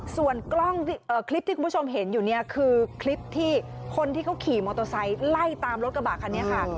ส่วนคลิปที่คุณผู้ชมเห็นคือคนที่เขาขี่มอตโอซัยไล่ตามรถกระบะคันนี้ค่ะ